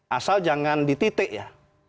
asal jangan dititik ya